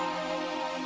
ya udah aku mau